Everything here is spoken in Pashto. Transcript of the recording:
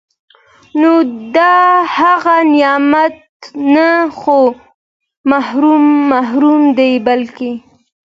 نو د دغه نعمت نه خو محروم محروم دی بلکي